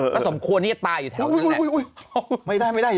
ก็สมควรที่จะตายอยู่แถวนั้นแหละ